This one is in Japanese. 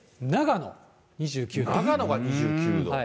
で、長野が２９度。